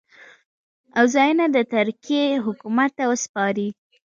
او ځانونه د ترکیې حکومت ته وسپاري.